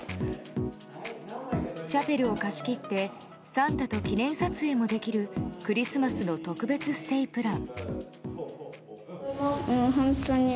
チャペルを貸し切ってサンタと記念撮影もできるクリスマスの特別ステイプラン。